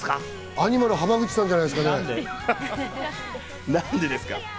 アニマル浜口さんじゃないで何でですか？